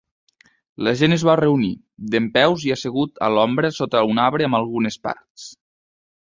La gent es va reunir, dempeus i assegut a l'ombra sota un arbre amb algunes parts.